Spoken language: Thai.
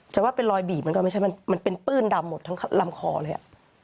ว่าเป็นรอยบีบมันก็ไม่ใช่มันเป็นปื้นดำหมดทั้งลำคอเลย